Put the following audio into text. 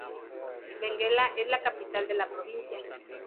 Benguela es la capital de la provincia.